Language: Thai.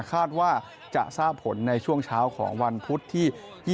คาดว่าจะทราบผลในช่วงเช้าของวันพุธที่๒๒